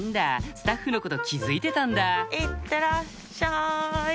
スタッフのこと気付いてたんだいってらっしゃい。